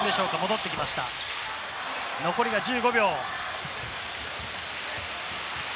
残り１５秒。